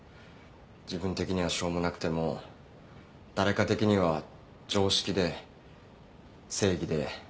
自分的にはしょうもなくても誰か的には常識で正義で絶対ってことあんだよ。